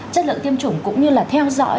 chất lượng tiêm chủng cũng như là theo dõi